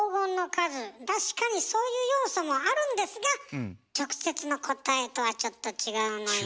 確かにそういう要素もあるんですが直接の答えとはちょっと違うのよ。